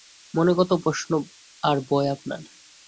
মনে কত প্রশ্ন আর ভয় আপনার!